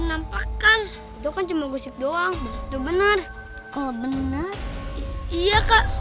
sampai jumpa di video selanjutnya